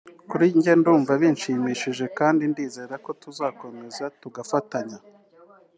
kuri njye ndumva binshimishije kandi ndizerako tuzakomeza tugafatanya